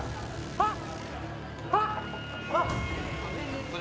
あっ！